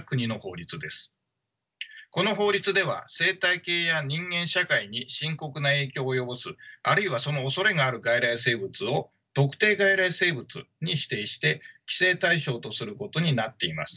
この法律では生態系や人間社会に深刻な影響を及ぼすあるいはそのおそれがある外来生物を特定外来生物に指定して規制対象とすることになっています。